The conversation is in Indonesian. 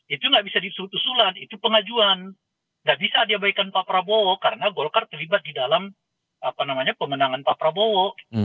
itu nggak bisa diusul usulan itu pengajuan nggak bisa diabaikan pak prabowo karena golkar terlibat di dalam pemenangan pak prabowo